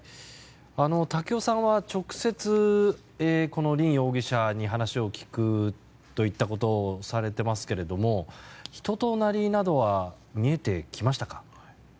瀧尾さんは直接、凜容疑者に話を聞くといったことをされてますけれども人となりなどは見えてきましたか。